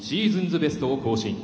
ベストを更新。